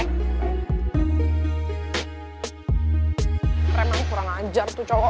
emang kurang ajar tuh cowok